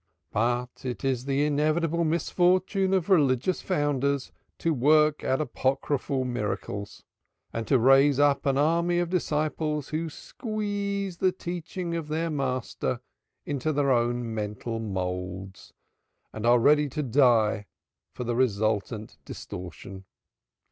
But it is the inevitable misfortune of religious founders to work apocryphal miracles and to raise up an army of disciples who squeeze the teaching of their master into their own mental moulds and are ready to die for the resultant distortion.